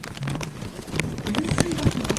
The roadway has remained a state highway since.